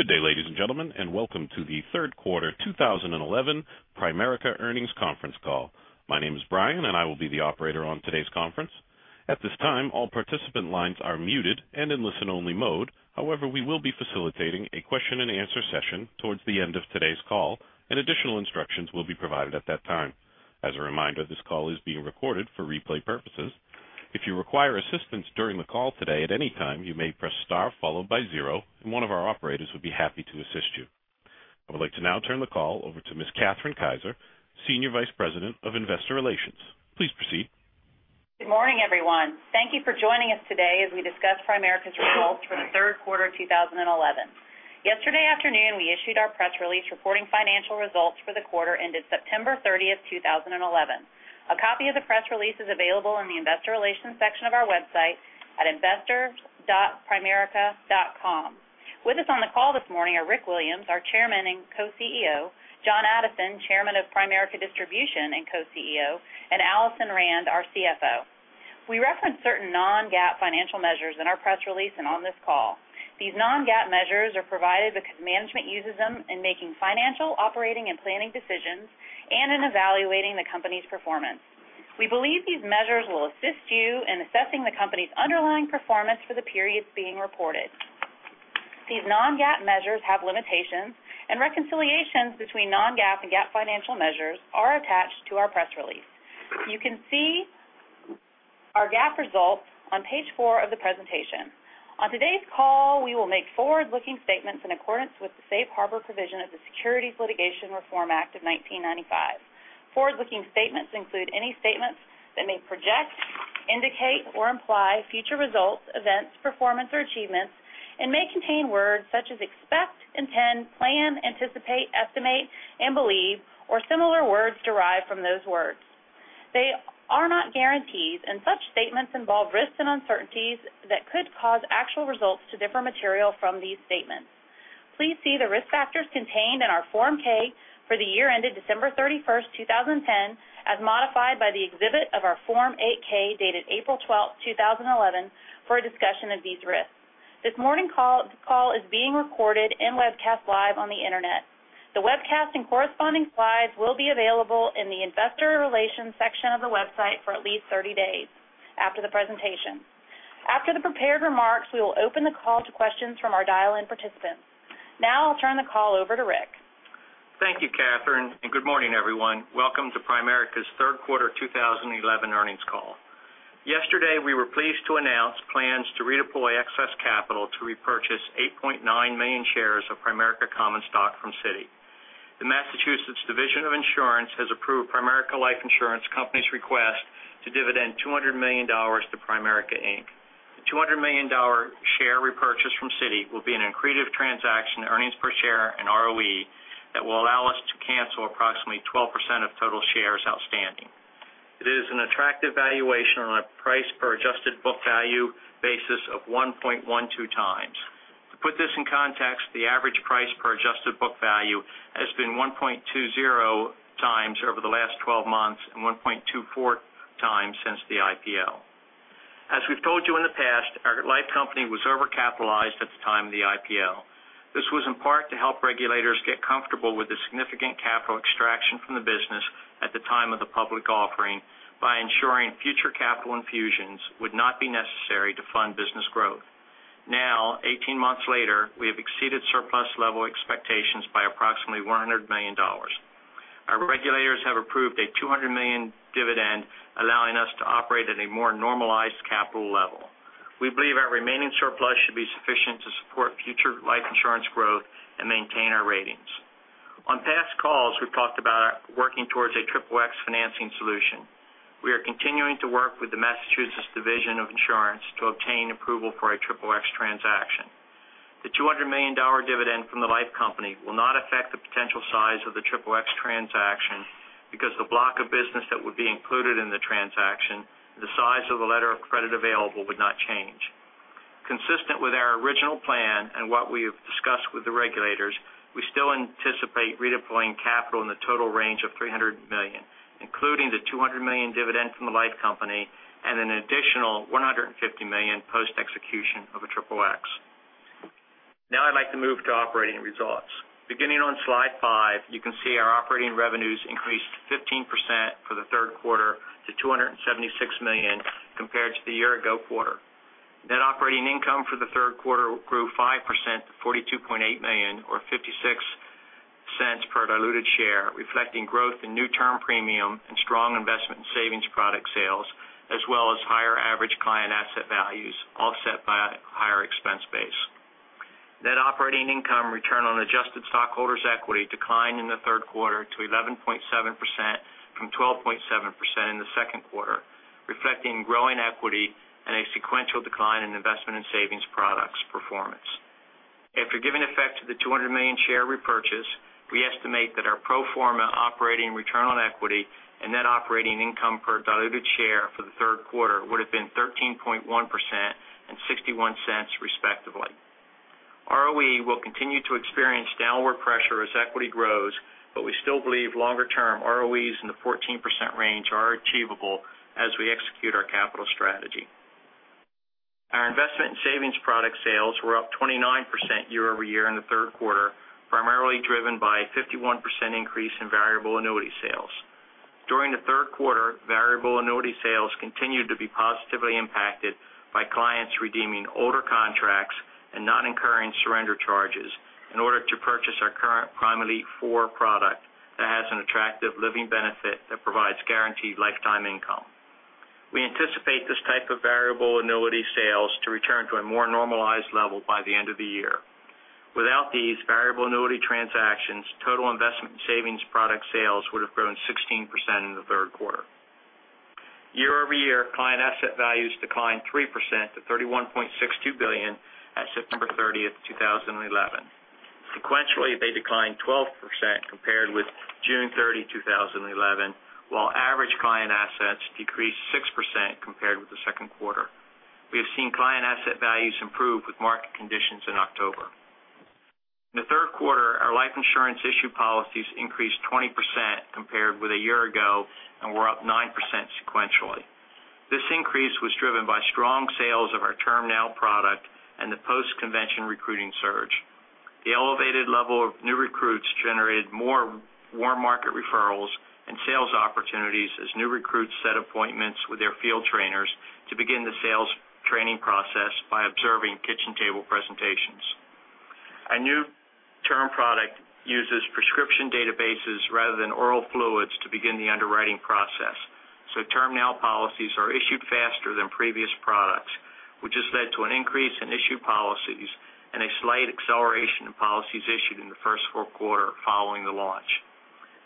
Good day, ladies and gentlemen, and welcome to the third quarter 2011 Primerica earnings conference call. My name is Brian and I will be the operator on today's conference. At this time, all participant lines are muted and in listen only mode. However, we will be facilitating a question and answer session towards the end of today's call, and additional instructions will be provided at that time. As a reminder, this call is being recorded for replay purposes. If you require assistance during the call today at any time, you may press star followed by zero and one of our operators would be happy to assist you. I would like to now turn the call over to Ms. Kathryn Kieser, Senior Vice President of Investor Relations. Please proceed. Good morning, everyone. Thank you for joining us today as we discuss Primerica's results for the third quarter 2011. Yesterday afternoon, we issued our press release reporting financial results for the quarter ended September 30th, 2011. A copy of the press release is available in the investor relations section of our website at investor.primerica.com. With us on the call this morning are Rick Williams, our Chairman and Co-CEO, John Addison, Chairman of Primerica Distribution and Co-CEO, and Alison Rand, our CFO. We reference certain non-GAAP financial measures in our press release and on this call. These non-GAAP measures are provided because management uses them in making financial, operating, and planning decisions and in evaluating the company's performance. We believe these measures will assist you in assessing the company's underlying performance for the periods being reported. These non-GAAP measures have limitations. Reconciliations between non-GAAP and GAAP financial measures are attached to our press release. You can see our GAAP results on page four of the presentation. On today's call, we will make forward-looking statements in accordance with the safe harbor provision of the Securities Litigation Reform Act of 1995. Forward-looking statements include any statements that may project, indicate, or imply future results, events, performance, or achievements and may contain words such as expect, intend, plan, anticipate, estimate, and believe, or similar words derived from those words. They are not guarantees. Such statements involve risks and uncertainties that could cause actual results to differ material from these statements. Please see the risk factors contained in our Form 10-K for the year ended December 31st, 2010, as modified by the exhibit of our Form 8-K, dated April 12th, 2011, for a discussion of these risks. This morning call is being recorded and webcast live on the internet. The webcast and corresponding slides will be available in the investor relations section of the website for at least 30 days after the presentation. After the prepared remarks, we will open the call to questions from our dial-in participants. I'll turn the call over to Rick. Thank you, Kathryn, and good morning, everyone. Welcome to Primerica's third quarter 2011 earnings call. Yesterday, we were pleased to announce plans to redeploy excess capital to repurchase 8.9 million shares of Primerica common stock from Citi. The Massachusetts Division of Insurance has approved Primerica Life Insurance Company's request to dividend $200 million to Primerica, Inc. The $200 million share repurchase from Citi will be an accretive transaction to earnings per share and ROE that will allow us to cancel approximately 12% of total shares outstanding. It is an attractive valuation on a price per adjusted book value basis of 1.12 times. To put this in context, the average price per adjusted book value has been 1.20 times over the last 12 months and 1.24 times since the IPO. As we've told you in the past, our life company was overcapitalized at the time of the IPO. This was in part to help regulators get comfortable with the significant capital extraction from the business at the time of the public offering by ensuring future capital infusions would not be necessary to fund business growth. Now, 18 months later, we have exceeded surplus level expectations by approximately $100 million. Our regulators have approved a $200 million dividend allowing us to operate at a more normalized capital level. We believe our remaining surplus should be sufficient to support future life insurance growth and maintain our ratings. On past calls, we've talked about working towards a XXX financing solution. We are continuing to work with the Massachusetts Division of Insurance to obtain approval for a XXX transaction. The $200 million dividend from the life company will not affect the potential size of the XXX transaction because the block of business that would be included in the transaction and the size of the letter of credit available would not change. Consistent with our original plan and what we have discussed with the regulators, we still anticipate redeploying capital in the total range of $300 million, including the $200 million dividend from the life company and an additional $150 million post-execution of a XXX. I'd like to move to operating results. Beginning on slide five, you can see our operating revenues increased 15% for the third quarter to $276 million compared to the year ago quarter. Net operating income for the third quarter grew 5% to $42.8 million or $0.56 per diluted share, reflecting growth in new term premium and strong investment and savings product sales as well as higher average client asset values offset by a higher expense base. Net operating income return on adjusted stockholders' equity declined in the third quarter to 11.7% from 12.7% in the second quarter, reflecting growing equity and a sequential decline in investment and savings products performance. After giving effect to the 200 million share repurchase, we estimate that our pro forma operating return on equity and net operating income per diluted share for the third quarter would have been 13.1% and $0.61 respectively. ROE will continue to experience downward pressure as equity grows, but we still believe longer term ROEs in the 14% range are achievable as we execute our capital strategy. Our investment and savings product sales were up 29% year-over-year in the third quarter, primarily driven by a 51% increase in variable annuity sales. During the third quarter, variable annuity sales continued to be positively impacted by clients redeeming older contracts and not incurring surrender charges in order to purchase our current Primerica 4 product that has an attractive living benefit that provides guaranteed lifetime income. We anticipate this type of variable annuity sales to return to a more normalized level by the end of the year. Without these variable annuity transactions, total investment and savings product sales would have grown 16% in the third quarter. Year-over-year, client asset values declined 3% to $31.62 billion at September 30th, 2011. Sequentially, they declined 12% compared with June 30, 2011, while average client assets decreased 6% compared with the second quarter. We have seen client asset values improve with market conditions in October. In the third quarter, our life insurance issued policies increased 20% compared with a year ago and were up 9% sequentially. This increase was driven by strong sales of our TermNow product and the post-convention recruiting surge. The elevated level of new recruits generated more warm market referrals and sales opportunities as new recruits set appointments with their field trainers to begin the sales training process by observing kitchen table presentations. A new term product uses prescription databases rather than oral fluids to begin the underwriting process, so TermNow policies are issued faster than previous products, which has led to an increase in issued policies and a slight acceleration in policies issued in the first full quarter following the launch.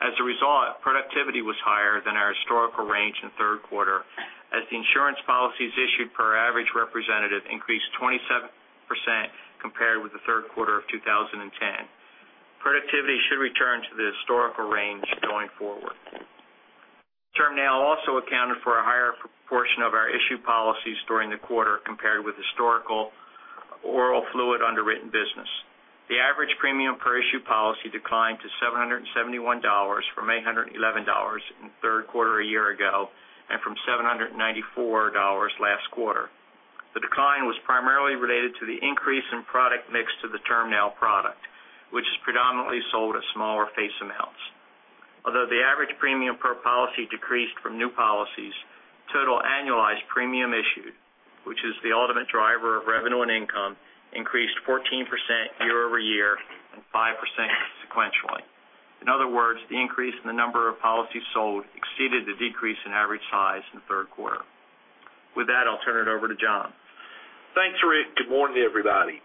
As a result, productivity was higher than our historical range in the third quarter as the insurance policies issued per average representative increased 27% compared with the third quarter of 2010. Productivity should return to the historical range going forward. TermNow also accounted for a higher proportion of our issued policies during the quarter compared with historical oral fluid underwritten business. The average premium per issued policy declined to $771 from $811 in the third quarter a year ago and from $794 last quarter. The decline was primarily related to the increase in product mix to the TermNow product, which is predominantly sold at smaller face amounts. Although the average premium per policy decreased from new policies, total annualized premium issued, which is the ultimate driver of revenue and income, increased 14% year-over-year and 5% sequentially. In other words, the increase in the number of policies sold exceeded the decrease in average size in the third quarter. With that, I'll turn it over to John. Thanks, Rick. Good morning, everybody.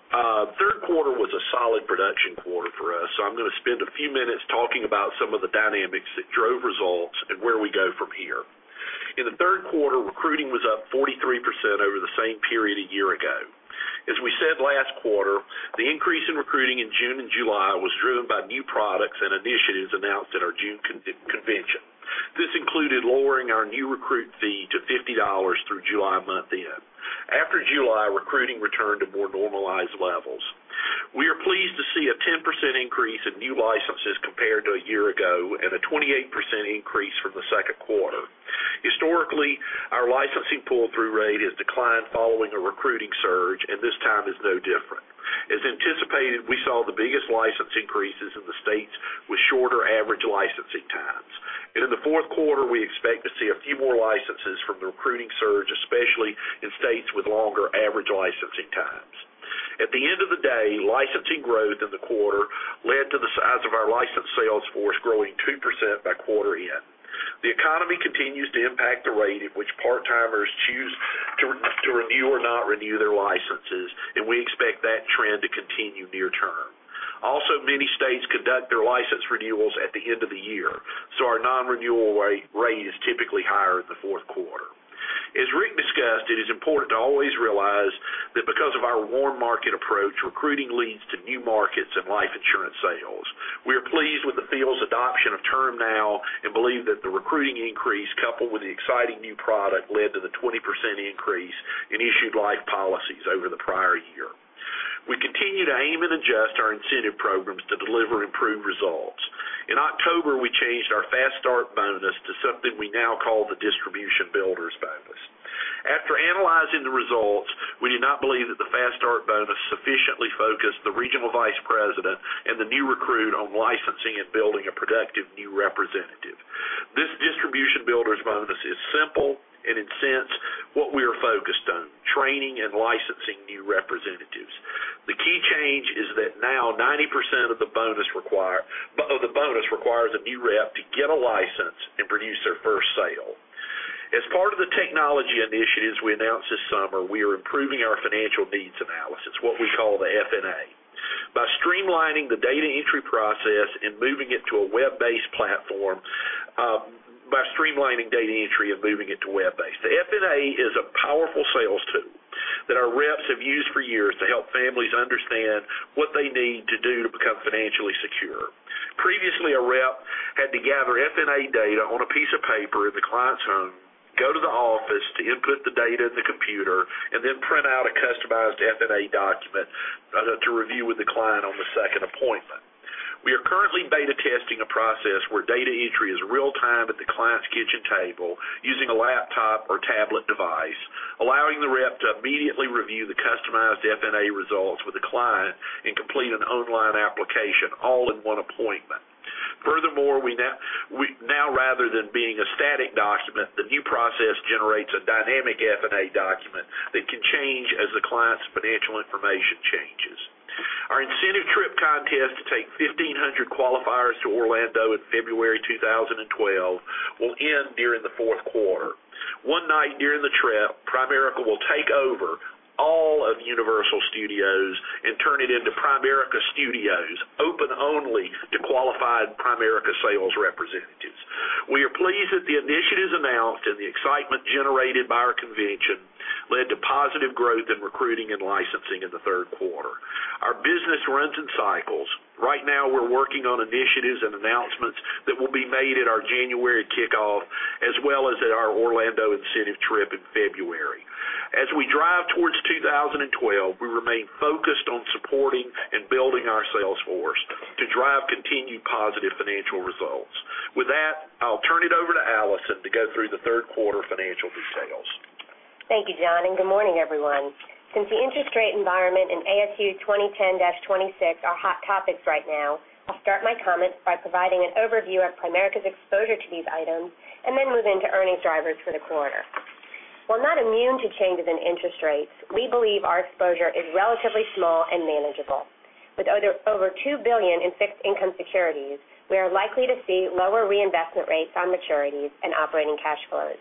Third quarter was a solid production quarter for us, so I'm going to spend a few minutes talking about some of the dynamics that drove results and where we go from here. In the third quarter, recruiting was up 43% over the same period a year ago. As we said last quarter, the increase in recruiting in June and July was driven by new products and initiatives announced at our June convention. This included lowering our new recruit fee to $50 through July month end. After July, recruiting returned to more normalized levels. We are pleased to see a 10% increase in new licenses compared to a year ago and a 28% increase from the second quarter. Historically, our licensing pull-through rate has declined following a recruiting surge, and this time is no different. As anticipated, we saw the biggest license increases in the states with shorter average licensing times. In the fourth quarter, we expect to see a few more licenses from the recruiting surge, especially in states with longer average licensing times. At the end of the day, licensing growth in the quarter led to the size of our licensed sales force growing 2% by quarter end. The economy continues to impact the rate at which part-timers choose to renew or not renew their licenses, and we expect that trend to continue near term. Also, many states conduct their license renewals at the end of the year, so our non-renewal rate is typically higher in the fourth quarter. As Rick discussed, it is important to always realize that because of our warm market approach, recruiting leads to new markets and life insurance sales. We are pleased with the field's adoption of TermNow and believe that the recruiting increase, coupled with the exciting new product, led to the 20% increase in issued life policies over the prior year. We continue to aim and adjust our incentive programs to deliver improved results. In October, we changed our Fast Start bonus to something we now call the Distribution Builders bonus. After analyzing the results, we do not believe that the Fast Start bonus sufficiently focused the regional vice president and the new recruit on licensing and building a productive new representative. This Distribution Builders bonus is simple and incents what we are focused on, training and licensing new representatives. The key change is that now 90% of the bonus requires a new rep to get a license and produce their first sale. As part of the technology initiatives we announced this summer, we are improving our financial needs analysis, what we call the FNA. By streamlining the data entry process and moving it to a web-based platform. The FNA is a powerful sales tool that our reps have used for years to help families understand what they need to do to become financially secure. Previously, a rep had to gather FNA data on a piece of paper in the client's home, go to the office to input the data in the computer, and then print out a customized FNA document to review with the client on the second appointment. We are currently beta testing a process where data entry is real time at the client's kitchen table using a laptop or tablet device, allowing the rep to immediately review the customized FNA results with the client and complete an online application all in one appointment. Furthermore, rather than being a static document, the new process generates a dynamic FNA document that can change as the client's financial information changes. Our incentive trip contest to take 1,500 qualifiers to Orlando in February 2012 will end during the fourth quarter. One night during the trip, Primerica will take over all of Universal Studios and turn it into Primerica Studios, open only to qualified Primerica sales representatives. We are pleased that the initiatives announced and the excitement generated by our convention led to positive growth in recruiting and licensing in the third quarter. Our business runs in cycles. Right now, we're working on initiatives and announcements that will be made at our January kickoff as well as at our Orlando incentive trip in February. As we drive towards 2012, we remain focused on supporting and building our sales force to drive continued positive financial results. With that, I'll turn it over to Alison to go through the third quarter financial details. Thank you, John, and good morning, everyone. Since the interest rate environment and ASU 2010-26 are hot topics right now, I'll start my comments by providing an overview of Primerica's exposure to these items and then move into earnings drivers for the quarter. While not immune to changes in interest rates, we believe our exposure is relatively small and manageable. With over $2 billion in fixed income securities, we are likely to see lower reinvestment rates on maturities and operating cash flows.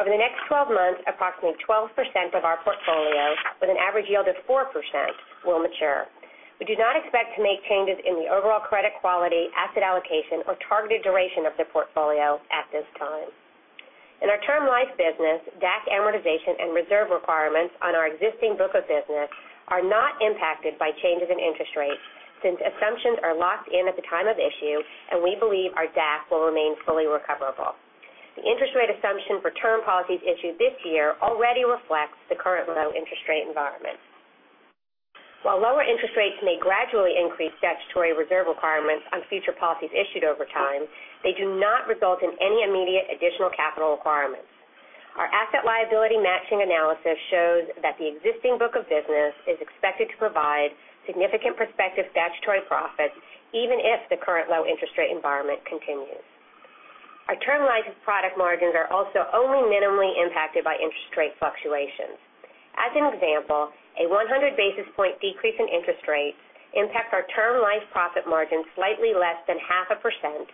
Over the next 12 months, approximately 12% of our portfolio, with an average yield of 4%, will mature. We do not expect to make changes in the overall credit quality, asset allocation, or targeted duration of the portfolio at this time. In our Term Life business, DAC amortization and reserve requirements on our existing book of business are not impacted by changes in interest rates since assumptions are locked in at the time of issue, and we believe our DAC will remain fully recoverable. The interest rate assumption for term policies issued this year already reflects the current low interest rate environment. While lower interest rates may gradually increase statutory reserve requirements on future policies issued over time, they do not result in any immediate additional capital requirements. Our asset liability matching analysis shows that the existing book of business is expected to provide significant prospective statutory profits even if the current low interest rate environment continues. Our Term Life product margins are also only minimally impacted by interest rate fluctuations. As an example, a 100 basis point decrease in interest rates impacts our Term Life profit margin slightly less than half a percent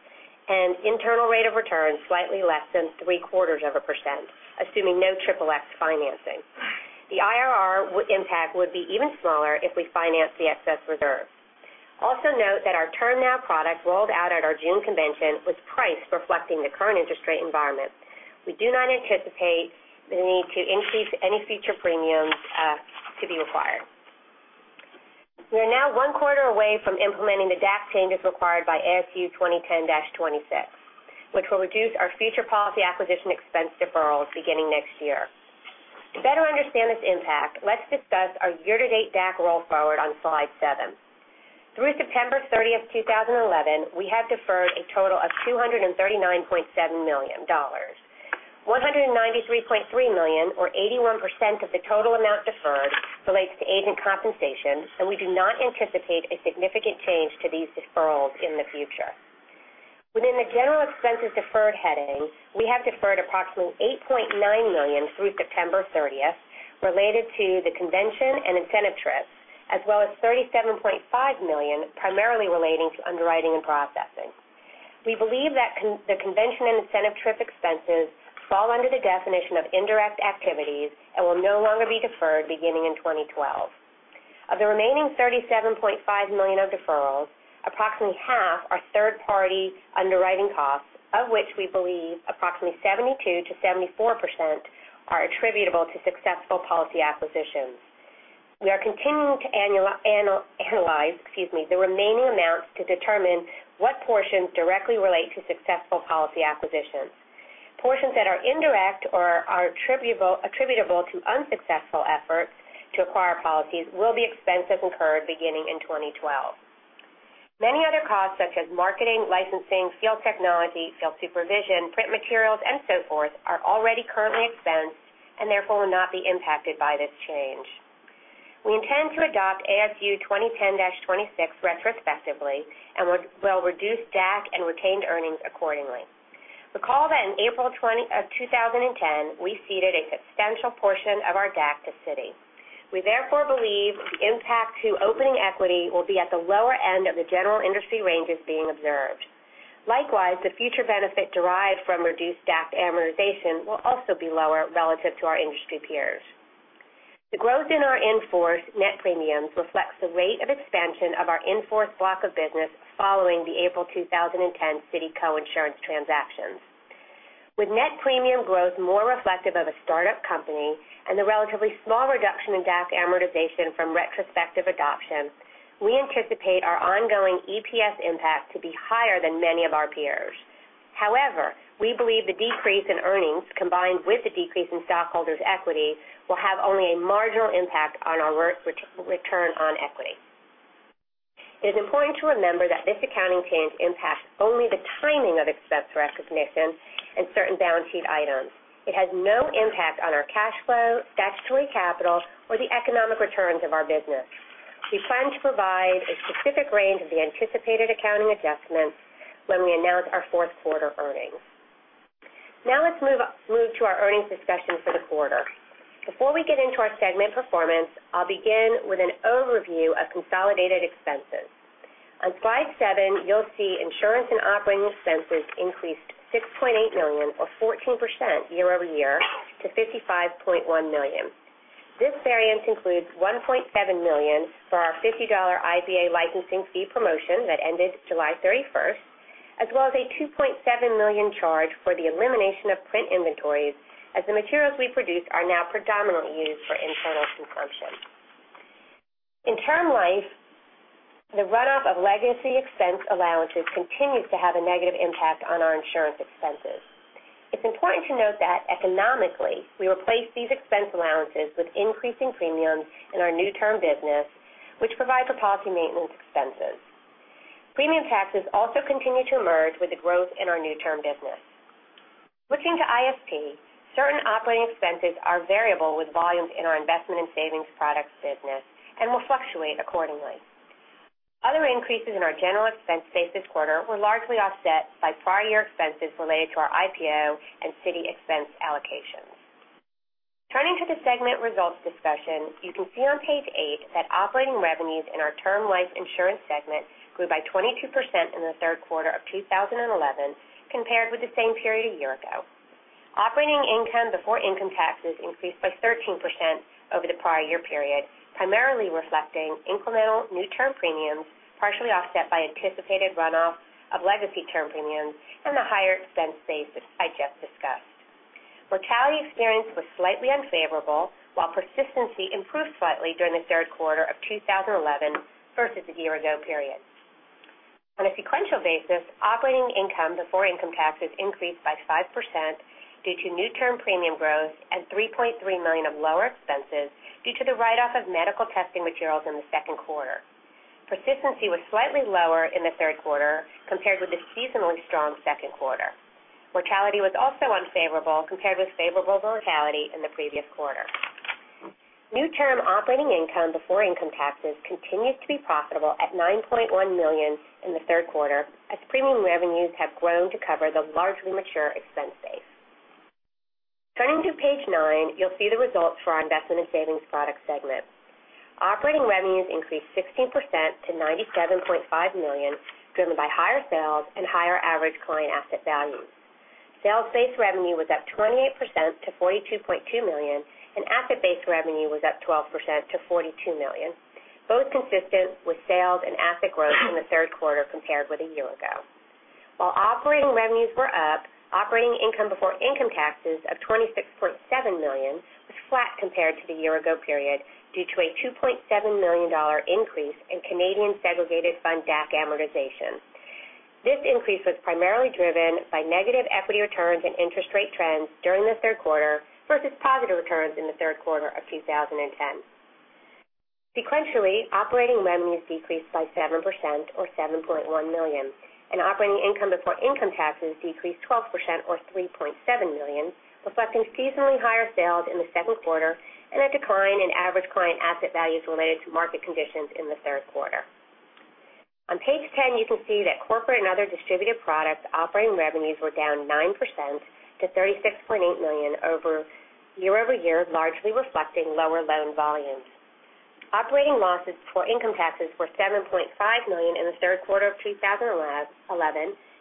and internal rate of return slightly less than three-quarters of a percent, assuming no triple X financing. The IRR impact would be even smaller if we finance the excess reserve. Also note that our TermNow product rolled out at our June convention was priced reflecting the current interest rate environment. We do not anticipate the need to increase any future premiums to be required. We are now one quarter away from implementing the DAC changes required by ASU 2010-26, which will reduce our future policy acquisition expense deferrals beginning next year. To better understand this impact, let's discuss our year-to-date DAC roll forward on slide seven. Through September 30th, 2011, we have deferred a total of $239.7 million. $193.3 million, or 81% of the total amount deferred, relates to agent compensation. We do not anticipate a significant change to these deferrals in the future. Within the general expenses deferred heading, we have deferred approximately $8.9 million through September 30th related to the convention and incentive trips, as well as $37.5 million, primarily relating to underwriting and processing. We believe that the convention and incentive trip expenses fall under the definition of indirect activities and will no longer be deferred beginning in 2012. Of the remaining $37.5 million of deferrals, approximately half are third-party underwriting costs, of which we believe approximately 72%-74% are attributable to successful policy acquisitions. We are continuing to analyze the remaining amounts to determine what portions directly relate to successful policy acquisitions. Portions that are indirect or are attributable to unsuccessful efforts to acquire policies will be expense and incurred beginning in 2012. Many other costs, such as marketing, licensing, field technology, field supervision, print materials, and so forth, are already currently expensed and therefore will not be impacted by this change. We intend to adopt ASU 2010-26 retrospectively. We will reduce DAC and retained earnings accordingly. Recall that in April 2010, we ceded a substantial portion of our DAC to Citi. We therefore believe the impact to opening equity will be at the lower end of the general industry ranges being observed. Likewise, the future benefit derived from reduced DAC amortization will also be lower relative to our industry peers. The growth in our in-force net premiums reflects the rate of expansion of our in-force block of business following the April 2010 Citi co-insurance transactions. With net premium growth more reflective of a start-up company and the relatively small reduction in DAC amortization from retrospective adoption, we anticipate our ongoing EPS impact to be higher than many of our peers. However, we believe the decrease in earnings combined with the decrease in stockholders' equity will have only a marginal impact on our return on equity. It is important to remember that this accounting change impacts only the timing of expense recognition and certain balance sheet items. It has no impact on our cash flow, statutory capital, or the economic returns of our business. We plan to provide a specific range of the anticipated accounting adjustments when we announce our fourth quarter earnings. Let's move to our earnings discussion for the quarter. Before we get into our segment performance, I'll begin with an overview of consolidated expenses. On slide seven, you'll see insurance and operating expenses increased to $6.8 million or 14% year-over-year to $55.1 million. This variance includes $1.7 million for our $50 IBA licensing fee promotion that ended July 31st, as well as a $2.7 million charge for the elimination of print inventories as the materials we produce are now predominantly used for internal consumption. In term life, the runoff of legacy expense allowances continues to have a negative impact on our insurance expenses. It's important to note that economically, we replace these expense allowances with increasing premiums in our new term business, which provide for policy maintenance expenses. Premium taxes also continue to emerge with the growth in our new term business. Switching to ISP, certain operating expenses are variable with volumes in our investment and savings products business and will fluctuate accordingly. Other increases in our general expense base this quarter were largely offset by prior year expenses related to our IPO and Citi expense allocations. Turning to the segment results discussion, you can see on page eight that operating revenues in our term life insurance segment grew by 22% in the third quarter of 2011 compared with the same period a year ago. Operating income before income taxes increased by 13% over the prior year period, primarily reflecting incremental new term premiums, partially offset by anticipated runoff of legacy term premiums and the higher expense base, which I just discussed. Mortality experience was slightly unfavorable while persistency improved slightly during the third quarter of 2011 versus the year ago period. On a sequential basis, operating income before income taxes increased by 5% due to new term premium growth and $3.3 million of lower expenses due to the write-off of medical testing materials in the second quarter. Persistency was slightly lower in the third quarter compared with the seasonally strong second quarter. Mortality was also unfavorable compared with favorable mortality in the previous quarter. New term operating income before income taxes continues to be profitable at $9.1 million in the third quarter as premium revenues have grown to cover the largely mature expense base. Turning to page nine, you'll see the results for our investment and savings product segment. Operating revenues increased 16% to $97.5 million, driven by higher sales and higher average client asset values. Sales base revenue was up 28% to $42.2 million, and asset base revenue was up 12% to $42 million, both consistent with sales and asset growth in the third quarter compared with a year ago. While operating revenues were up, operating income before income taxes of $26.7 million was flat compared to the year ago period, due to a $2.7 million increase in Canadian segregated fund DAC amortization. This increase was primarily driven by negative equity returns and interest rate trends during the third quarter versus positive returns in the third quarter of 2010. Sequentially, operating revenues decreased by 7% or $7.1 million and operating income before income taxes decreased 12% or $3.7 million, reflecting seasonally higher sales in the second quarter and a decline in average client asset values related to market conditions in the third quarter. On page 10, you can see that corporate and other distributive products operating revenues were down 9% to $36.8 million year-over-year, largely reflecting lower loan volumes. Operating losses for income taxes were $7.5 million in the third quarter of 2011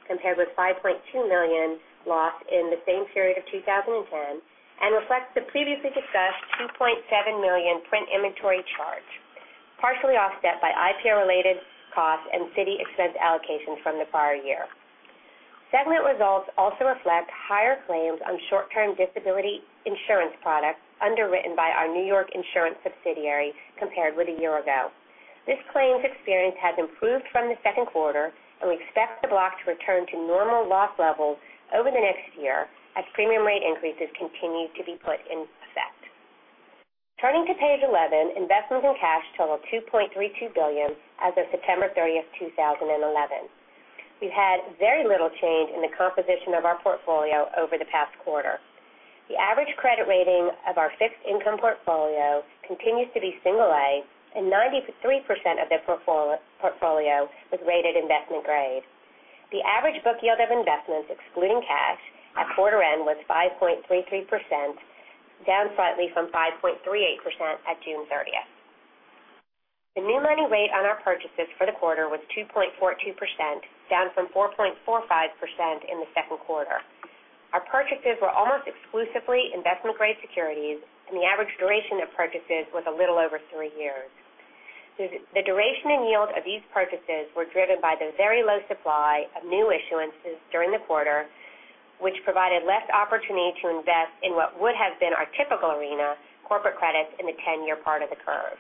compared with a $5.2 million loss in the same period of 2010, and reflects the previously discussed $2.7 million print inventory charge, partially offset by IPO-related costs and Citi expense allocations from the prior year. Segment results also reflect higher claims on short-term disability insurance products underwritten by our New York insurance subsidiary compared with a year ago. This claims experience has improved from the second quarter, and we expect the block to return to normal loss levels over the next year as premium rate increases continue to be put in effect. Turning to page 11, investments in cash total $2.32 billion as of September 30th, 2011. We've had very little change in the composition of our portfolio over the past quarter. The average credit rating of our fixed income portfolio continues to be single A, and 93% of the portfolio was rated investment grade. The average book yield of investments, excluding cash, at quarter end was 5.33%, down slightly from 5.38% at June 30th. The new lending rate on our purchases for the quarter was 2.42%, down from 4.45% in the second quarter. Our purchases were almost exclusively investment-grade securities, and the average duration of purchases was a little over three years. The duration and yield of these purchases were driven by the very low supply of new issuances during the quarter, which provided less opportunity to invest in what would have been our typical arena, corporate credits in the 10-year part of the curve.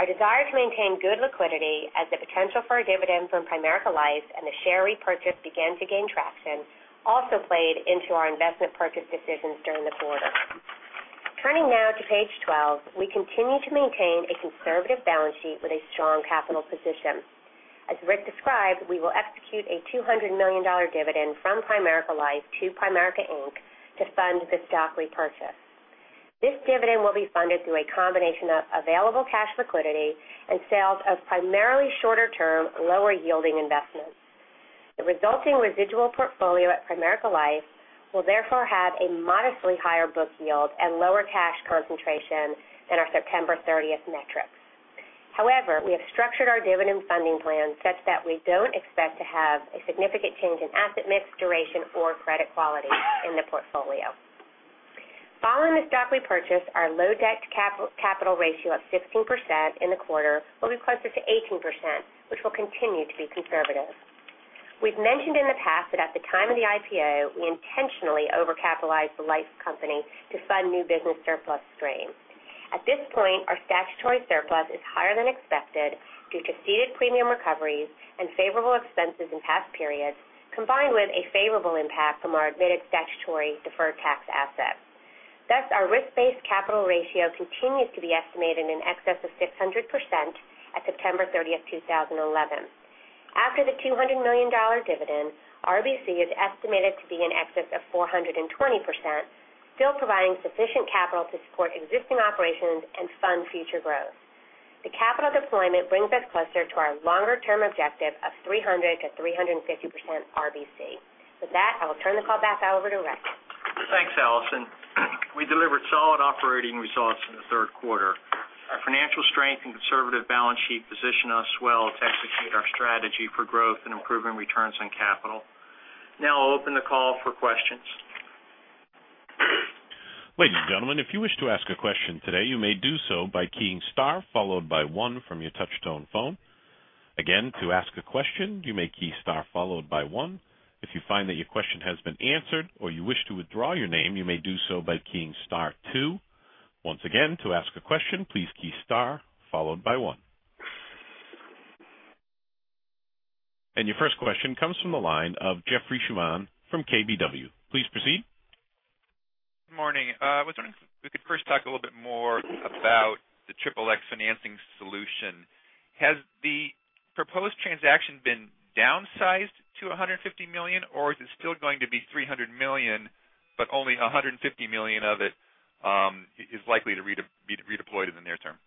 Our desire to maintain good liquidity as the potential for a dividend from Primerica Life and the share repurchase began to gain traction also played into our investment purchase decisions during the quarter. Turning now to page 12, we continue to maintain a conservative balance sheet with a strong capital position. As Rick described, we will execute a $200 million dividend from Primerica Life to Primerica, Inc. to fund the stock repurchase. This dividend will be funded through a combination of available cash liquidity and sales of primarily shorter term, lower yielding investments. The resulting residual portfolio at Primerica Life will therefore have a modestly higher book yield and lower cash concentration than our September 30th metrics. However, we have structured our dividend funding plan such that we don't expect to have a significant change in asset mix duration or credit quality in the portfolio. Following the stock repurchase, our low debt to capital ratio of 16% in the quarter will be closer to 18%, which will continue to be conservative. We've mentioned in the past that at the time of the IPO, we intentionally over-capitalized the life company to fund new business surplus streams. At this point, our statutory surplus is higher than expected due to ceded premium recoveries and favorable expenses in past periods, combined with a favorable impact from our admitted statutory deferred tax asset. Thus, our risk-based capital ratio continues to be estimated in excess of 600% at September 30th, 2011. After the $200 million dividend, RBC is estimated to be in excess of 420%, still providing sufficient capital to support existing operations and fund future growth. The capital deployment brings us closer to our longer-term objective of 300%-350% RBC. With that, I will turn the call back over to Rick. Thanks, Alison. We delivered solid operating results in the third quarter. Our financial strength and conservative balance sheet position us well to execute our strategy for growth and improving returns on capital. I'll open the call for questions. Ladies and gentlemen, if you wish to ask a question today, you may do so by keying star followed by one from your touchtone phone. Again, to ask a question, you may key star followed by one. If you find that your question has been answered or you wish to withdraw your name, you may do so by keying star two. Once again, to ask a question, please key star followed by one. Your first question comes from the line of Jeff Schuman from KBW. Please proceed. Good morning. I was wondering if we could first talk a little bit more about the XXX financing solution. Has the proposed transaction been downsized to $150 million, or is it still going to be $300 million, but only $150 million of it is likely to be redeployed in the near term?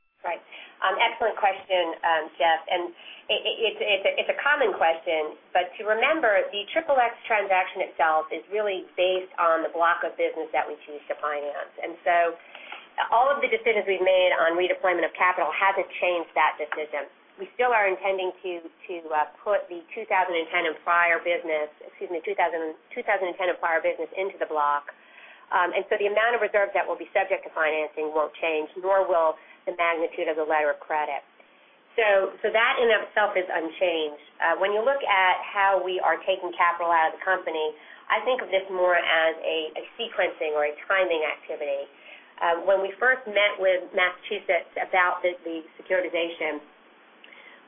Excellent question, Jeff, it's a common question, to remember, the XXX transaction itself is really based on the block of business that we choose to finance. All of the decisions we've made on redeployment of capital hasn't changed that decision. We still are intending to put the 2010 and prior business into the block. The amount of reserves that will be subject to financing won't change, nor will the magnitude of the letter of credit. That in itself is unchanged. When you look at how we are taking capital out of the company, I think of this more as a sequencing or a timing activity. When we first met with Massachusetts about the securitization,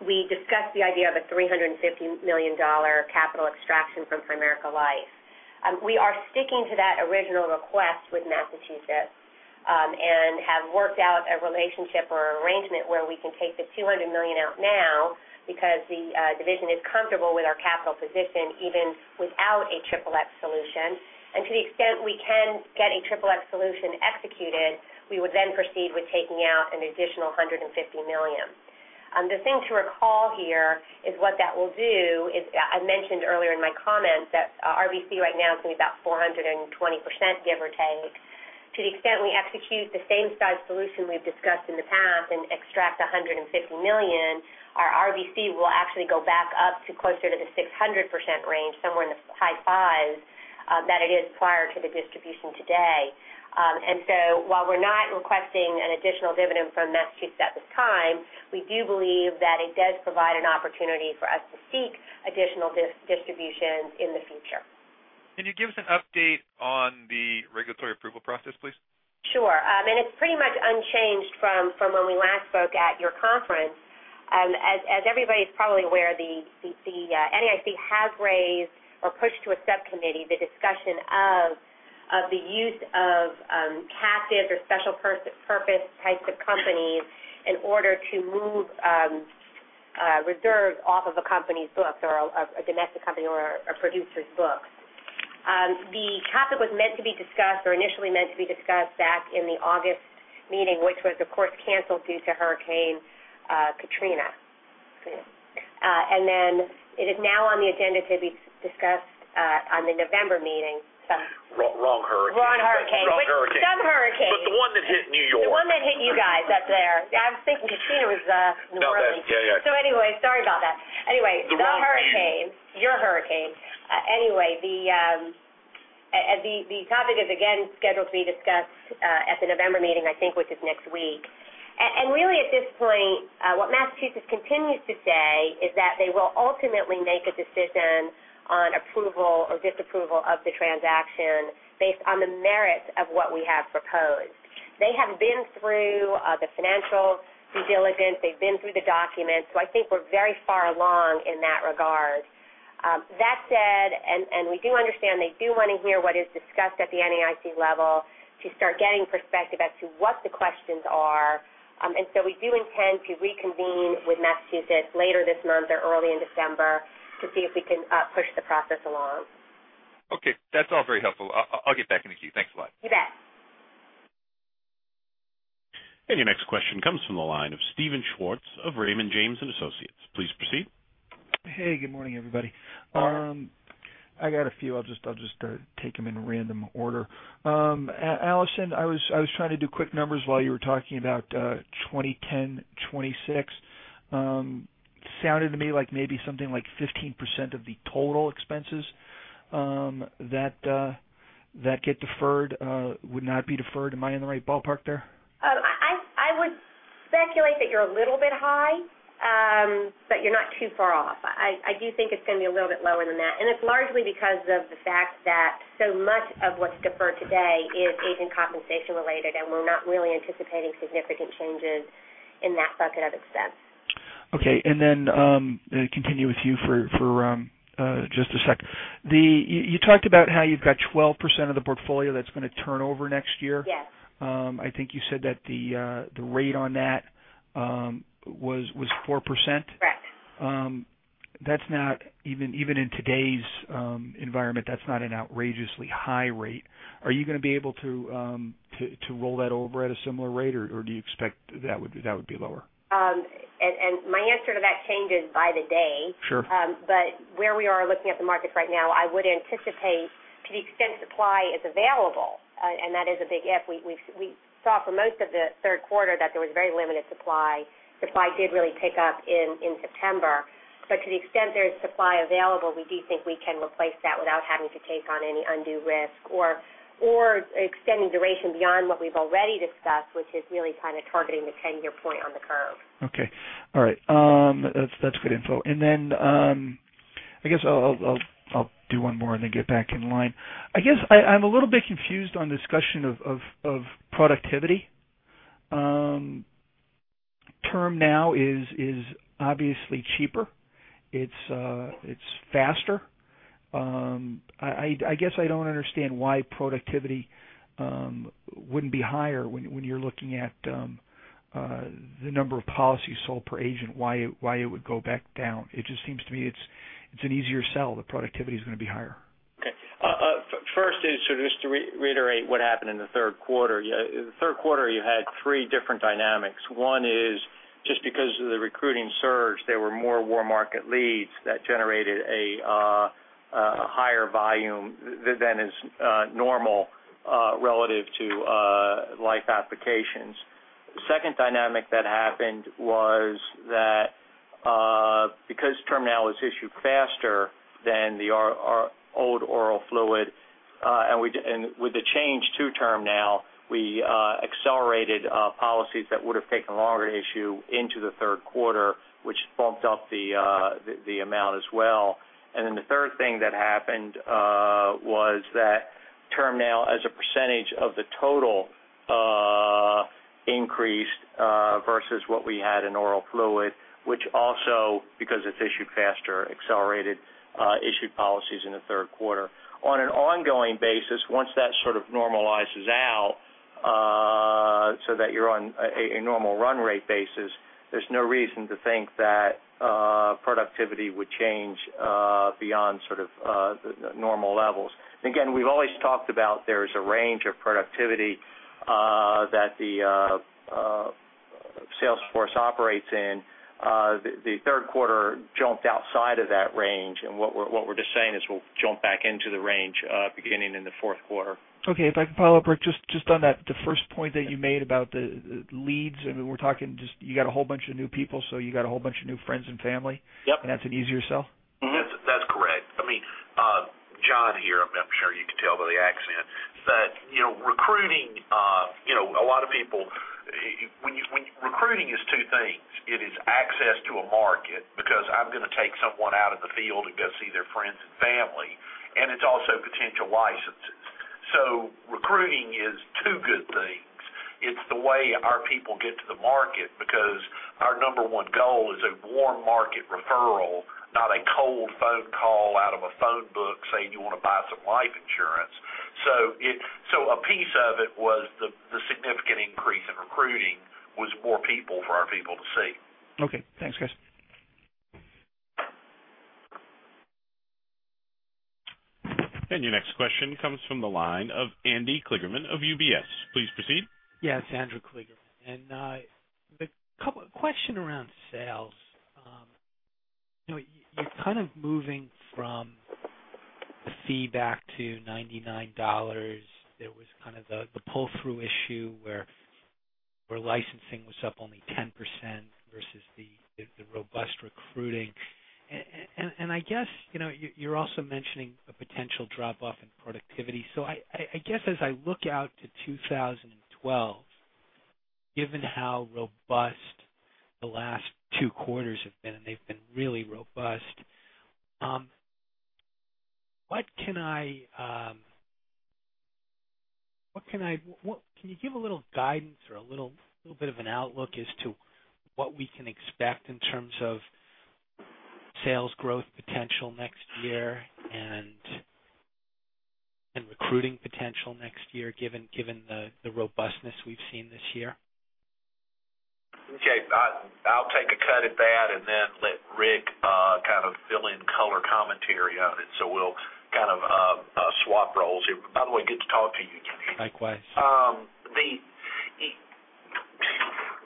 we discussed the idea of a $350 million capital extraction from Primerica Life. We are sticking to that original request with Massachusetts and have worked out a relationship or arrangement where we can take the $200 million out now because the division is comfortable with our capital position, even without a XXX solution. To the extent we can get a XXX solution executed, we would then proceed with taking out an additional $150 million. The thing to recall here is what that will do is, I mentioned earlier in my comments that our RBC right now is going to be about 420%, give or take. To the extent we execute the same size solution we've discussed in the past and extract $150 million, our RBC will actually go back up to closer to the 600% range, somewhere in the high fives, than it is prior to the distribution today. While we're not requesting an additional dividend from Massachusetts at this time, we do believe that it does provide an opportunity for us to seek additional distributions in the future. Can you give us an update on the regulatory approval process, please? Sure. It's pretty much unchanged from when we last spoke at your conference. Everybody's probably aware, the NAIC has raised or pushed to a subcommittee the discussion of the use of captive or special purpose types of companies in order to move reserves off of a company's books or a domestic company or a producer's books. The topic was meant to be discussed or initially meant to be discussed back in the August meeting, which was of course canceled due to Hurricane Irene. Then it is now on the agenda to be discussed on the November meeting. Wrong hurricane. Wrong hurricane. Wrong hurricane. Some hurricane. The one that hit New York. The one that hit you guys up there. I was thinking Katrina was New Orleans. Not that. Yeah. Anyway, sorry about that. Anyway. The wrong hurricane. Your hurricane. Anyway, the topic is again scheduled to be discussed at the November meeting, I think, which is next week. Really at this point, what Massachusetts continues to say is that they will ultimately make a decision on approval or disapproval of the transaction based on the merits of what we have proposed. They have been through the financial due diligence. They've been through the documents. I think we're very far along in that regard. That said, we do understand they do want to hear what is discussed at the NAIC level to start getting perspective as to what the questions are. We do intend to reconvene with Massachusetts later this month or early in December to see if we can push the process along. Okay. That's all very helpful. I'll get back in the queue. Thanks a lot. You bet. Your next question comes from the line of Steven Schwartz of Raymond James & Associates. Please proceed. Hey, good morning, everybody. I got a few, I'll just take them in random order. Alison, I was trying to do quick numbers while you were talking about 2010, 26. Sounded to me like maybe something like 15% of the total expenses that get deferred would not be deferred. Am I in the right ballpark there? I would speculate that you're a little bit high, but you're not too far off. I do think it's going to be a little bit lower than that. It's largely because of the fact that so much of what's deferred today is agent compensation related, and we're not really anticipating significant changes in that bucket of expense. Okay, continue with you for just a second. You talked about how you've got 12% of the portfolio that's going to turn over next year. Yes. I think you said that the rate on that was 4%? Correct. Even in today's environment, that's not an outrageously high rate. Are you going to be able to roll that over at a similar rate, or do you expect that would be lower? My answer to that changes by the day. Sure. Where we are looking at the markets right now, I would anticipate to the extent supply is available, and that is a big if. We saw for most of the third quarter that there was very limited supply. Supply did really pick up in September. To the extent there is supply available, we do think we can replace that without having to take on any undue risk or extending duration beyond what we've already discussed, which is really kind of targeting the 10-year point on the curve. Okay. All right. That's good info. I guess I'll do one more and then get back in line. I guess I'm a little bit confused on discussion of productivity. TermNow is obviously cheaper. It's faster. I guess I don't understand why productivity wouldn't be higher when you're looking at the number of policies sold per agent, why it would go back down. It just seems to me it's an easier sell. The productivity is going to be higher. Okay. First is just to reiterate what happened in the third quarter. The third quarter, you had three different dynamics. One is just because of the recruiting surge, there were more warm market leads that generated a higher volume than is normal relative to life applications. The second dynamic that happened was that because TermNow is issued faster than the old oral fluid, and with the change to TermNow, we accelerated policies that would have taken longer to issue into the third quarter, which bumped up the amount as well. The third thing that happened was that TermNow as a percentage of the total increased versus what we had in oral fluid, which also because it's issued faster, accelerated issued policies in the third quarter. On an ongoing basis, once that sort of normalizes out so that you're on a normal run rate basis, there's no reason to think that productivity would change beyond sort of normal levels. Again, we've always talked about there's a range of productivity that the sales force operates in. The third quarter jumped outside of that range. What we're just saying is we'll jump back into the range beginning in the fourth quarter. Okay. If I can follow up just on that, the first point that you made about the leads, we're talking just you got a whole bunch of new people, you got a whole bunch of new friends and family. Yep. That's an easier sell. That's correct. John here, I'm sure you can tell by the accent. Recruiting a lot of people. Recruiting is two things. It is access to a market because I'm going to take someone out in the field and go see their friends and family, it's also potential licenses. Recruiting is two good things. It's the way our people get to the market because our number one goal is a warm market referral, not a cold phone call out of a phone book saying, "You want to buy some life insurance?" A piece of it was the significant increase in recruiting was more people for our people to see. Okay. Thanks, guys. Your next question comes from the line of Andrew Kligerman of UBS. Please proceed. Yeah, it's Andrew Kligerman. The question around sales. You're kind of moving from the fee back to $99. There was kind of the pull-through issue where licensing was up only 10% versus the robust recruiting. I guess you're also mentioning a potential drop-off in productivity. I guess as I look out to 2012, given how robust the last two quarters have been, and they've been really robust, can you give a little guidance or a little bit of an outlook as to what we can expect in terms of sales growth potential next year and recruiting potential next year, given the robustness we've seen this year? Okay. I'll take a cut at that and then let Rick kind of fill in color commentary on it. We'll kind of swap roles here. By the way, good to talk to you, Jimmy. Likewise.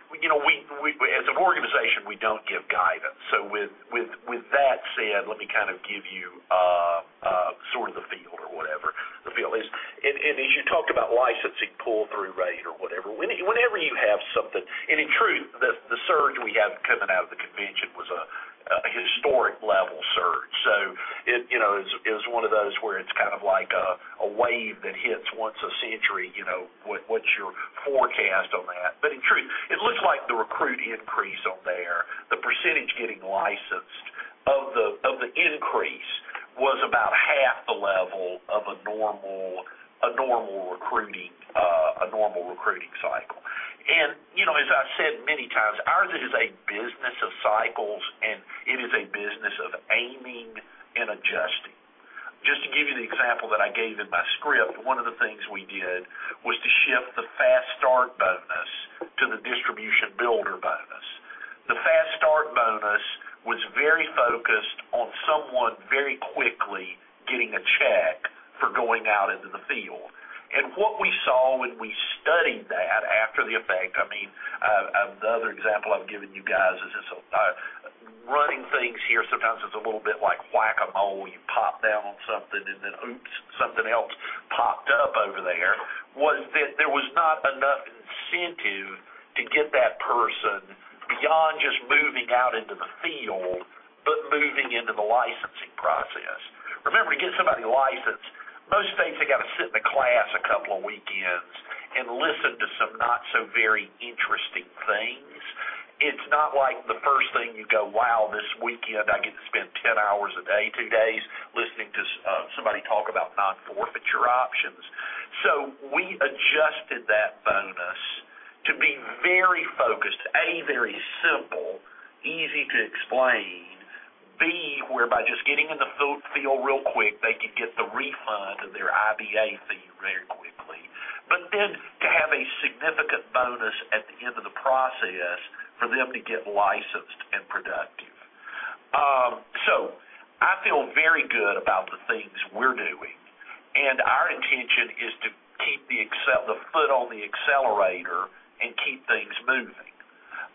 As an organization, we don't give guidance. With that said, let me kind of give you sort of the feel or whatever. The feel is, and as you talk about licensing pull-through rate or whatever, whenever you have something. In truth, the surge we had coming out of the convention was a historic level surge. It was one of those where it's kind of like a wave that hits once a century, what's your forecast on that? In truth, it looks like the recruit increase on there, the percentage getting licensed of the increase was about half the level of a normal recruiting cycle. As I've said many times, ours is a business of cycles, and it is a business of aiming and adjusting. Just to give you the example that I gave in my script, one of the things we did was to shift the Fast Start bonus to the Distribution Builders bonus. The Fast Start bonus was very focused on someone very quickly getting a check for going out into the field. What we saw when we studied that after the effect, I mean, another example I've given you guys is this, running things here sometimes is a little bit like whack-a-mole. You pop down on something, and then oops, something else popped up over there. Was that there was not enough incentive to get that person beyond just moving out into the field, but moving into the licensing process. Remember, to get somebody licensed, most states they got to sit in a class a couple of weekends and listen to some not so very interesting things. It's not like the first thing you go, "Wow, this weekend I get to spend 10 hours a day, two days listening to somebody talk about non-forfeiture options." We adjusted that bonus to be very focused. A, very simple, easy to explain. B, whereby just getting in the field real quick, they could get the refund of their IBA fee very quickly. To have a significant bonus at the end of the process for them to get licensed and productive. I feel very good about the things we're doing, and our intention is to keep the foot on the accelerator and keep things moving.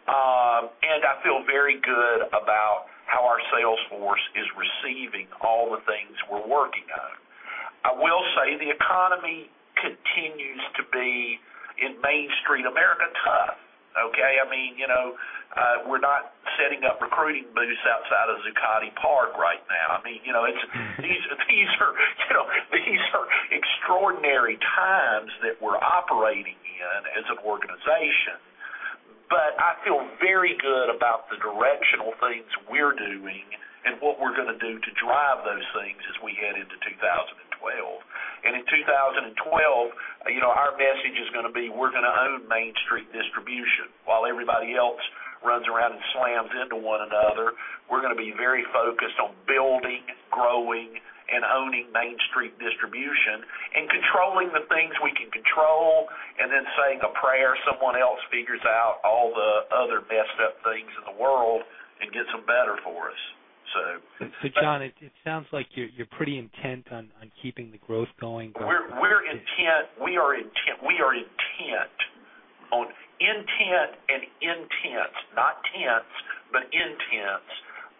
I feel very good about how our sales force is receiving all the things we're working on. I will say the economy continues to be, in Main Street America, tough. Okay? We're not setting up recruiting booths outside of Zuccotti Park right now. These are extraordinary times that we're operating in as an organization, but I feel very good about the directional things we're doing and what we're going to do to drive those things as we head into 2012. In 2012, our message is going to be, we're going to own Main Street distribution while everybody else runs around and slams into one another. We're going to be very focused on building, growing, and owning Main Street distribution and controlling the things we can control, and then saying a prayer someone else figures out all the other messed up things in the world and gets them better for us. John, it sounds like you're pretty intent on keeping the growth going. We are intent on intent and intense, not tense, but intense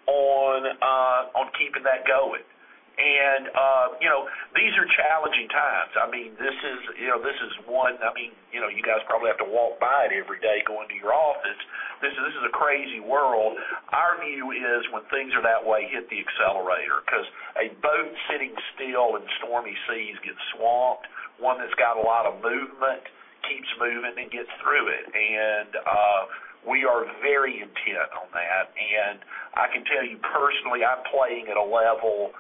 on keeping that going. These are challenging times. You guys probably have to walk by it every day going to your office. This is a crazy world. Our view is when things are that way, hit the accelerator because a boat sitting still in stormy seas gets swamped. One that's got a lot of movement keeps moving and gets through it. We are very intent on that. I can tell you personally, I'm playing at a level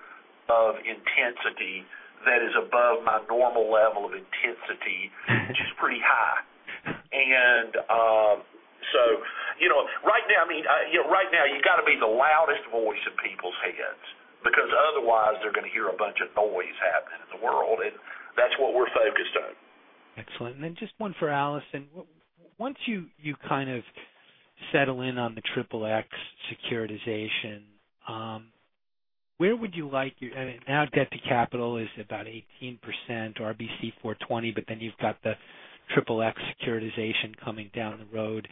of intensity that is above my normal level of intensity, which is pretty high. Right now you've got to be the loudest voice in people's heads because otherwise they're going to hear a bunch of noise happening in the world, and that's what we're focused on. Excellent. Then just one for Alison. Once you kind of settle in on the Regulation XXX securitization, where would you like your-- Now debt to capital is about 18%, RBC 420%, but then you've got the Regulation XXX securitization coming down the road.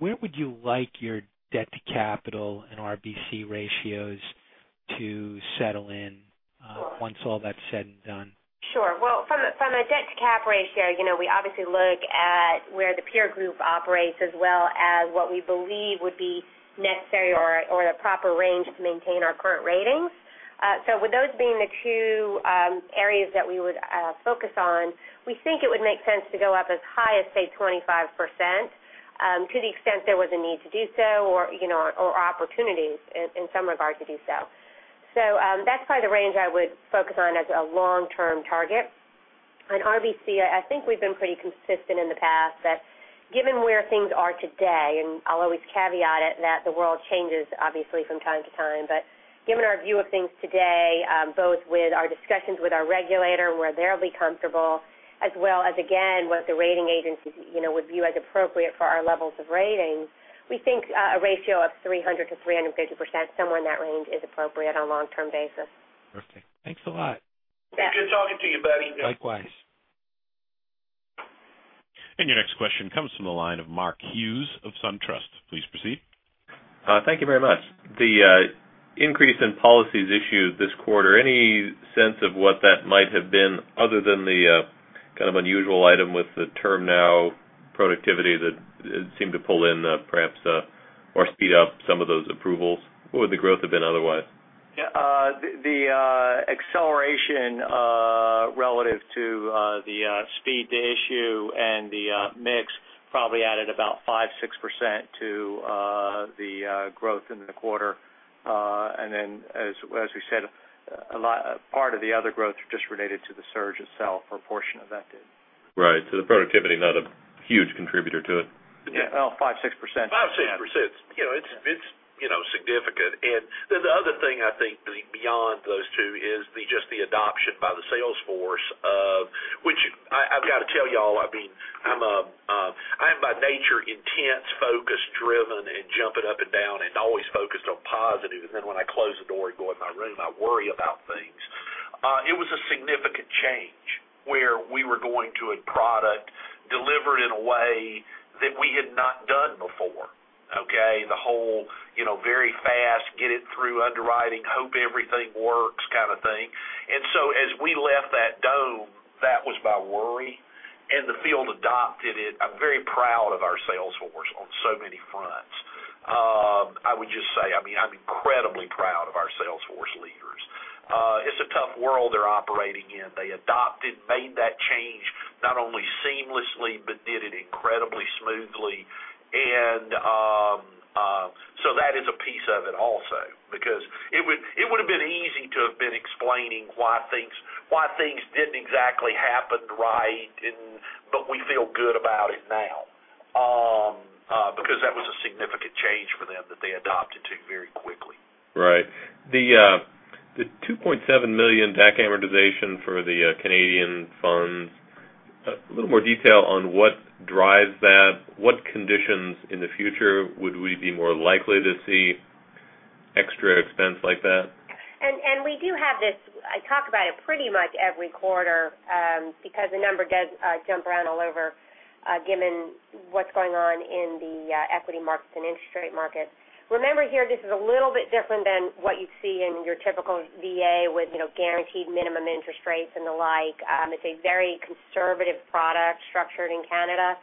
Where would you like your debt to capital and RBC ratios to settle in once all that's said and done? Sure. Well, from a debt to cap ratio, we obviously look at where the peer group operates as well as what we believe would be necessary or the proper range to maintain our current ratings. With those being the two areas that we would focus on, we think it would make sense to go up as high as, say, 25%, to the extent there was a need to do so or opportunities in some regard to do so. That's probably the range I would focus on as a long-term target. On RBC, I think we've been pretty consistent in the past that given where things are today, and I'll always caveat it that the world changes obviously from time to time. Given our view of things today, both with our discussions with our regulator, where they'll be comfortable, as well as again, what the rating agencies would view as appropriate for our levels of ratings, we think a ratio of 300%-350%, somewhere in that range is appropriate on a long-term basis. Perfect. Thanks a lot. Yes. Good talking to you, buddy. Likewise. Your next question comes from the line of Mark Hughes of SunTrust. Please proceed. Thank you very much. The increase in policies issued this quarter, any sense of what that might have been other than the kind of unusual item with the TermNow productivity that seemed to pull in perhaps, or speed up some of those approvals? What would the growth have been otherwise? The acceleration relative to the speed to issue and the mix probably added about 5%-6% to the growth in the quarter. As we said, part of the other growth just related to the surge itself or a portion of that did. Right. The productivity not a huge contributor to it. Yeah. Well, 5%-6%. 5%-6%. It's significant. The other thing I think beyond those two is just the adoption by the sales force of which I've got to tell you all, I am by nature intense, focused, driven, and jumping up and down and always focused on positive. Then when I close the door and go in my room, I worry about things. It was a significant change where we were going to a product delivered in a way that we had not done before. Okay. The whole very fast, get it through underwriting, hope everything works kind of thing. As we left that dome, that was my worry. The field adopted it. I'm very proud of our sales force on so many fronts. I would just say, I'm incredibly proud of our sales force leaders. It's a tough world they're operating in. They adopted, made that change not only seamlessly, but did it incredibly smoothly. That is a piece of it also because it would've been easy to have been explaining why things didn't exactly happen right but we feel good about it now because that was a significant change for them that they adopted to very quickly. Right. The $2.7 million DAC amortization for the Canadian funds, a little more detail on what drives that. What conditions in the future would we be more likely to see extra expense like that? We do have this. I talk about it pretty much every quarter because the number does jump around all over given what's going on in the equity markets and interest rate market. Remember here, this is a little bit different than what you'd see in your typical VA with guaranteed minimum interest rates and the like. It's a very conservative product structured in Canada.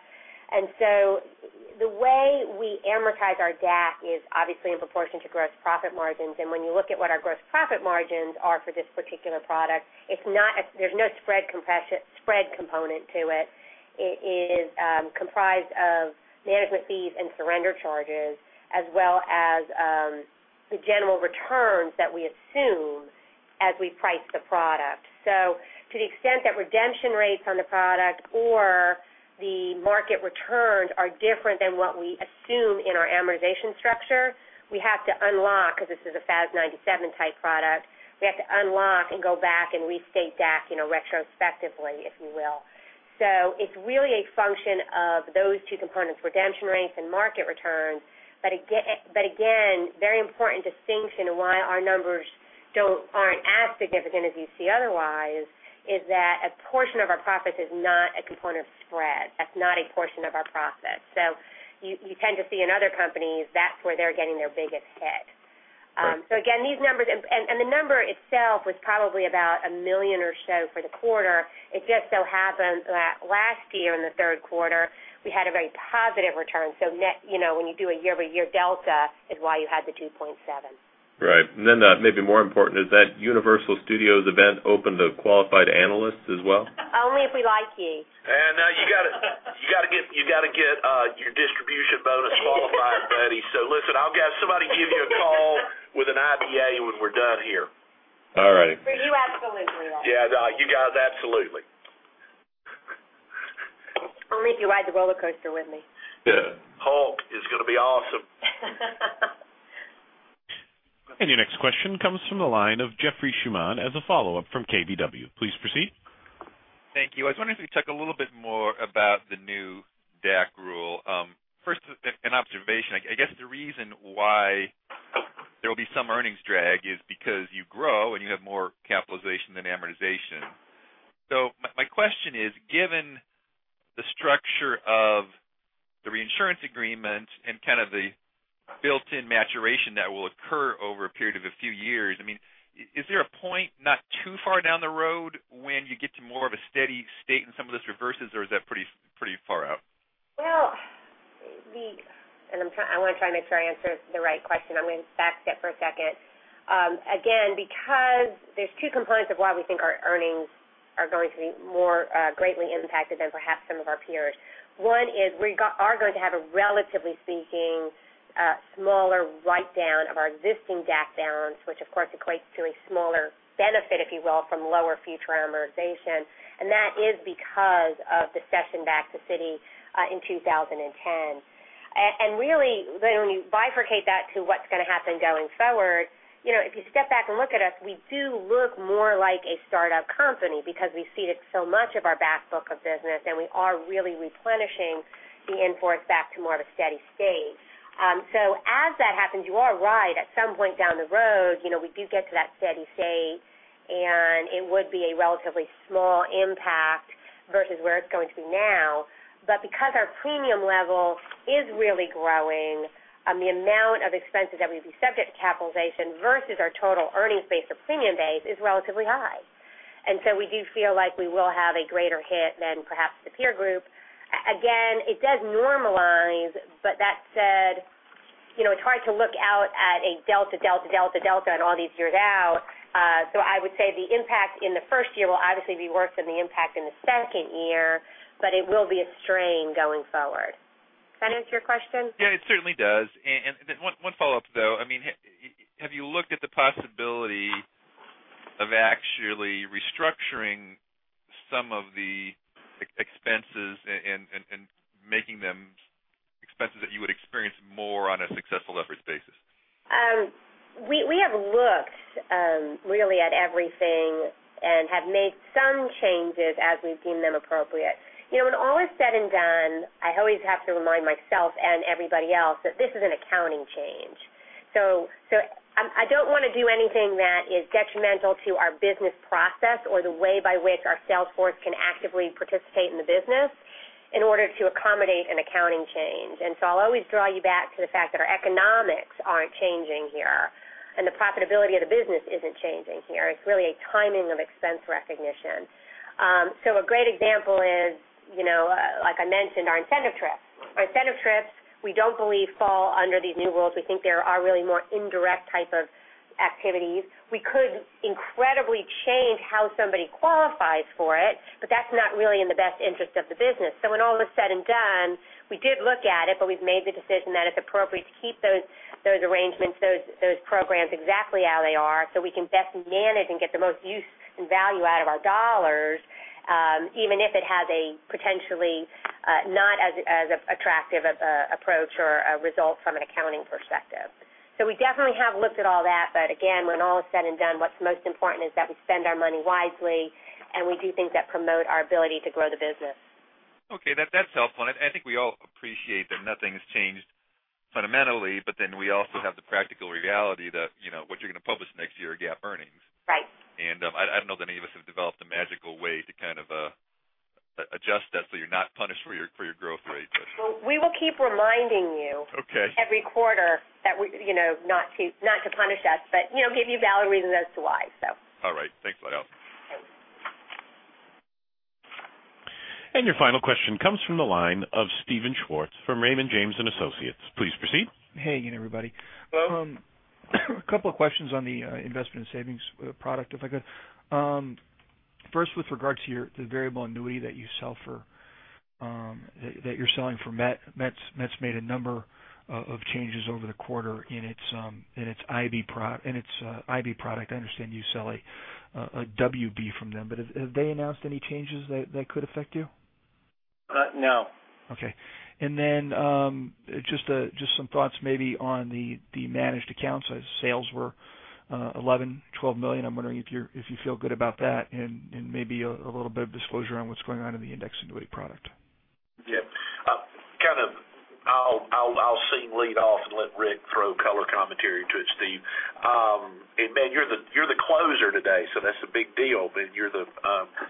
The way we amortize our DAC is obviously in proportion to gross profit margins. When you look at what our gross profit margins are for this particular product, there's no spread component to it. It is comprised of management fees and surrender charges as well as the general returns that we assume as we price the product. To the extent that redemption rates on the product or the market returns are different than what we assume in our amortization structure, we have to unlock because this is a FAS 97 type product. We have to unlock and go back and restate DAC retrospectively, if you will. It's really a function of those two components, redemption rates and market returns. Again, very important distinction and why our numbers aren't as significant as you see otherwise, is that a portion of our profits is not a component of spread. That's not a portion of our profits. You tend to see in other companies, that's where they're getting their biggest hit. Right. Again, these numbers, and the number itself was probably about $1 million or so for the quarter. It just so happened that last year in the third quarter, we had a very positive return. Net, when you do a year-over-year delta is why you had the 2.7. Right. Maybe more important is that Universal Studios event open to qualified analysts as well? Only if we like you. You got to get your Distribution bonus qualified, Betty. Listen, I'll have somebody give you a call with an IBA when we're done here. All righty. For you, absolutely. Yeah. You guys, absolutely. Only if you ride the roller coaster with me. Yeah. Hulk is going to be awesome. Your next question comes from the line of Jeff Schuman as a follow-up from KBW. Please proceed. Thank you. I was wondering if you could talk a little bit more about the new DAC rule. First an observation. I guess the reason why there will be some earnings drag is because you grow and you have more capitalization than amortization. My question is, given the structure of the reinsurance agreement and kind of the built-in maturation that will occur over a period of a few years, is there a point not too far down the road when you get to more of a steady state and some of this reverses, or is that pretty far out? Well, I want to try and make sure I answer the right question. I'm going to backstep for a second. Again, because there's two components of why we think our earnings are going to be more greatly impacted than perhaps some of our peers. One is we are going to have, relatively speaking, a smaller write-down of our existing DAC balance, which of course equates to a smaller benefit, if you will, from lower future amortization. That is because of the cession back to Citi in 2010. Really, when you bifurcate that to what's going to happen going forward, if you step back and look at us, we do look more like a startup company because we've ceded so much of our back book of business, and we are really replenishing the inforce back to more of a steady state. As that happens, you are right. At some point down the road, we do get to that steady state, and it would be a relatively small impact versus where it's going to be now. Because our premium level is really growing, the amount of expenses that we'd be subject to capitalization versus our total earnings base or premium base is relatively high. We do feel like we will have a greater hit than perhaps the peer group. Again, it does normalize. That said, it's hard to look out at a delta, delta and all these years out. I would say the impact in the first year will obviously be worse than the impact in the second year, but it will be a strain going forward. Does that answer your question? Yeah, it certainly does. One follow-up, though. Have you looked at the possibility of actually restructuring some of the expenses and making them expenses that you would experience more on a successful efforts basis? We have looked really at everything and have made some changes as we've deemed them appropriate. When all is said and done, I always have to remind myself and everybody else that this is an accounting change. I don't want to do anything that is detrimental to our business process or the way by which our sales force can actively participate in the business in order to accommodate an accounting change. I'll always draw you back to the fact that our economics aren't changing here, and the profitability of the business isn't changing here. It's really a timing of expense recognition. A great example is, like I mentioned, our incentive trips. Our incentive trips, we don't believe fall under these new rules. We think they are really more indirect type of activities. We could incredibly change how somebody qualifies for it, but that's not really in the best interest of the business. When all is said and done, we did look at it, but we've made the decision that it's appropriate to keep those arrangements, those programs exactly how they are so we can best manage and get the most use and value out of our dollars, even if it has a potentially not as attractive of approach or a result from an accounting perspective. We definitely have looked at all that. Again, when all is said and done, what's most important is that we spend our money wisely and we do things that promote our ability to grow the business. Okay. That's helpful. I think we all appreciate that nothing's changed fundamentally. We also have the practical reality that what you're going to publish next year are GAAP earnings. Right. I don't know that any of us have developed a magical way to kind of adjust that so you're not punished for your growth rate. We will keep reminding you. Okay every quarter not to punish us, but give you valid reasons as to why. All right. Thanks, Alison. Okay. Your final question comes from the line of Steven Schwartz from Raymond James & Associates. Please proceed. Hey, again, everybody. Bo. A couple of questions on the investment and savings product, if I could. First, with regards to the Variable Annuity that you're selling for MetLife. MetLife's made a number of changes over the quarter in its IB product. I understand you sell a WB from them, but have they announced any changes that could affect you? No. Just some thoughts maybe on the Managed Accounts. Sales were $11 million, $12 million. I'm wondering if you feel good about that and maybe a little bit of disclosure on what's going on in the indexed annuity product. Yeah. I'll seem lead off and let Rick throw color commentary to it, Steve. Man, you're the closer today, so that's a big deal, man. You're the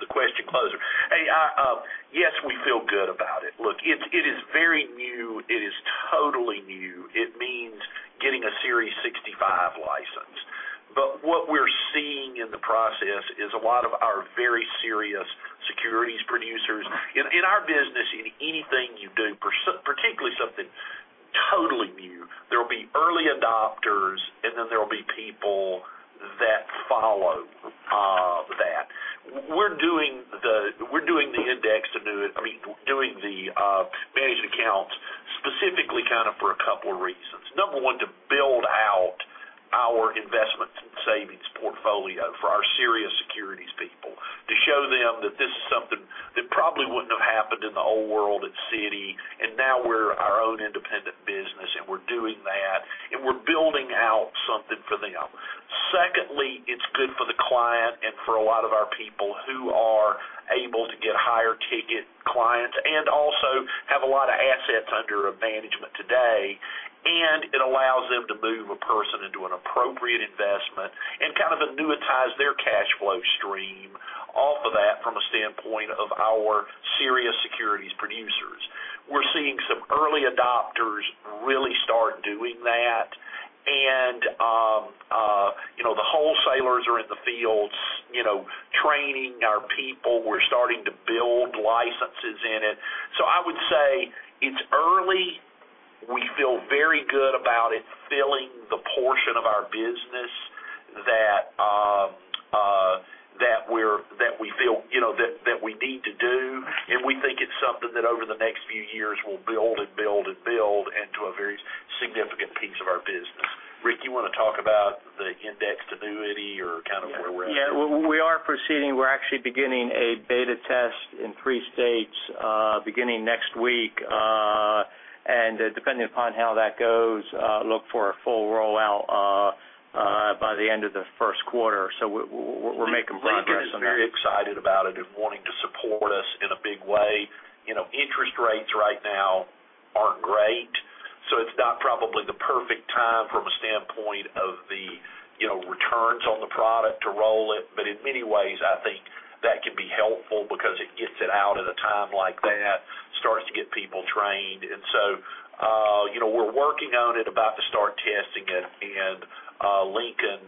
question closer. Yes, we feel good about it. Look, it is very new. It is totally new. It means getting a Series 65 license. What we're seeing in the process is a lot of our very serious securities producers. In our business, in anything you do, particularly something totally new, there will be early adopters, and then there will be people that follow that. We're doing the Managed Accounts specifically kind of for a couple of reasons. Number one, to build out our investment and savings portfolio for our serious securities people, to show them that this is something that probably wouldn't have happened in the old world at Citi. Now we're our own independent business, and we're doing that, and we're building out something for them. Secondly, it's good for the client and for a lot of our people who are able to get higher ticket clients and also have a lot of assets under management today. It allows them to move a person into an appropriate investment and kind of annuitize their cash flow stream off of that from a standpoint of our serious securities producers. We're seeing some early adopters really start doing that. The wholesalers are in the fields training our people. We're starting to build licenses in it. I would say it's early. We feel very good about it filling the portion of our business that we feel that we need to do. We think it's something that over the next few years will build and build and build into a very significant piece of our business. Rick, you want to talk about the indexed annuity or kind of where we're at? Yeah. We are proceeding. We're actually beginning a beta test in three states beginning next week. Depending upon how that goes, look for a full rollout by the end of the first quarter. We're making progress on that. Lincoln is very excited about it and wanting to support us in a big way. Interest rates right now aren't great, it's not probably the perfect time from a standpoint of the returns on the product to roll it. In many ways, I think that can be helpful because it gets it out at a time like that, starts to get people trained. We're working on it, about to start testing it. Lincoln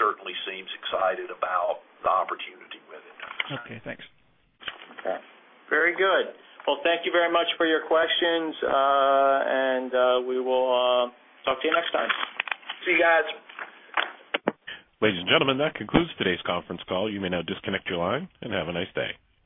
certainly seems excited about the opportunity with it. Okay, thanks. Okay. Very good. Well, thank you very much for your questions. We will talk to you next time. See you, guys. Ladies and gentlemen, that concludes today's conference call. You may now disconnect your line and have a nice day.